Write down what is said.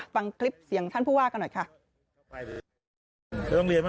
ฟังคลิปเสียงท่านผู้ว่ากันหน่อยค่ะ